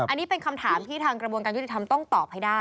อันนี้เป็นคำถามที่ทางกระบวนการยุติธรรมต้องตอบให้ได้